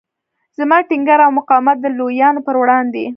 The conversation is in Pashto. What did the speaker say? زما ټینګار او مقاومت د لویانو پر وړاندې.